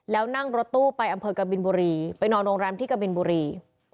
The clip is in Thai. แล้วนั่งรถตู้ไปอำเภอกบินบุรีไปนอนโรงแรมที่กะบินบุรี